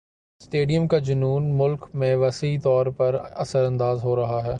stadium کا جنون مُلک میں وسیع طور پر اثرانداز ہو رہا ہے